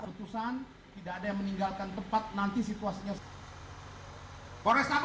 letusan tidak ada yang meninggalkan tempat nanti situasinya